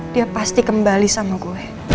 dia pasti akan kembali sama aku